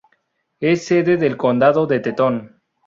Es sede del condado de Teton.